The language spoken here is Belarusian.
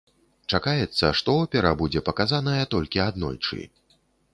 Чакаецца, што опера будзе паказаная толькі аднойчы.